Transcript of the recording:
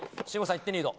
１点リード。